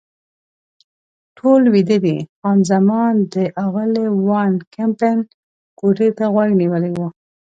ټول ویده دي، خان زمان د اغلې وان کمپن کوټې ته غوږ نیولی و.